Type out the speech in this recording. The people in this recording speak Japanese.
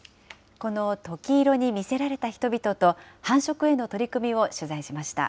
このトキ色に魅せられた人々と、繁殖への取り組みを取材しました。